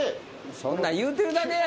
そんな言うてるだけやろ？